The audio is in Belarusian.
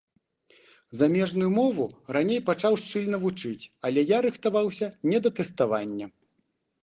Замежную мову раней пачаў шчыльна вучыць, але я рыхтаваўся не да тэставання.